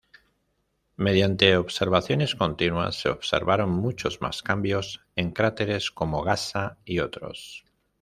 Mediante observaciones continuas se observaron muchos más cambios en cráteres como Gasa y otros.